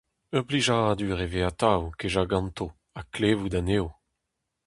Ur blijadur e vez atav kejañ ganto ha klevout anezho !